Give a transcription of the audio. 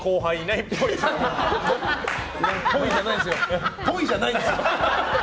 っぽいじゃないんですよ。